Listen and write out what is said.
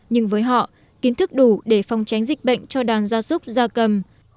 nhưng với họ kiến thức đủ để phòng tránh dịch bệnh cho đàn gia súc gia cầm